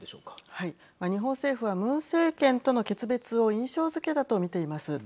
日本政府はムン政権との決別を印象づけたと見ています。